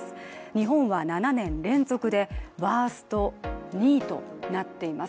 日本は７年連続でワースト２位となっています。